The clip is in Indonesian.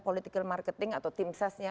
political marketing atau tim sesnya